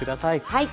はい。